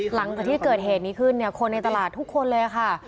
หลังจากที่เกิดเหตุนี้ขึ้นเนี่ยคนในตลาดทุกคนเลยค่ะ